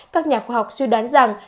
các nhà khoa học suy đoán rằng